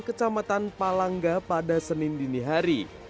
kecamatan palangga pada senin dinihari